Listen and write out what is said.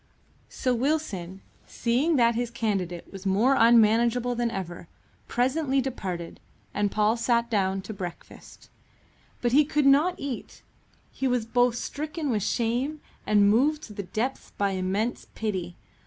So Wilson, seeing that his candidate was more unmanageable than ever, presently departed, and Paul sat down to breakfast. But he could not eat. He was both stricken with shame and moved to the depths by immense pity.